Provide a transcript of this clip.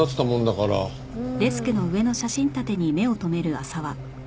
うん。